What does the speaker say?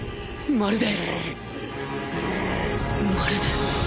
まるで